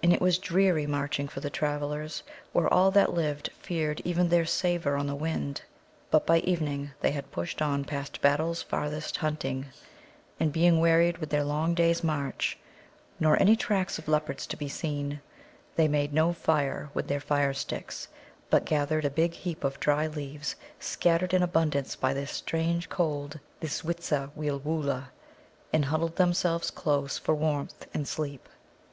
And it was dreary marching for the travellers where all that lived feared even their savour on the wind. But by evening they had pushed on past Battle's farthest hunting, and being wearied with their long day's march, nor any tracks of leopards to be seen, they made no fire with their fire sticks, but gathered a big heap of dry leaves scattered in abundance by this strange cold, this Witzaweelwūllah, and huddled themselves close for warmth in sleep.